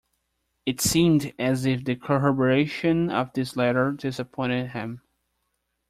It seemed as if the corroboration of this letter disappointed him.